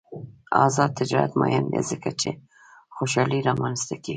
آزاد تجارت مهم دی ځکه چې خوشحالي رامنځته کوي.